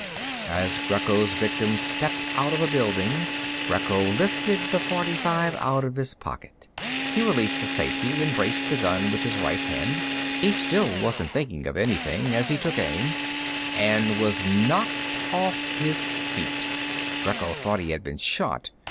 As Greco's victim stepped out of a building, Greco lifted the .45 out of his pocket. He released the safety and braced the gun with his right hand. He still wasn't thinking of anything as he took aim ... And was knocked off his feet. Greco thought he had been shot.